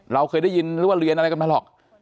เราเคยได้ยินหรือว่าเรียนอะไรกันมาหรอก